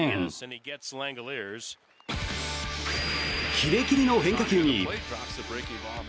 キレキレの変化球に。